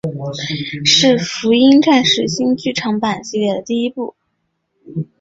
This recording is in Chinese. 是福音战士新剧场版系列的第一部。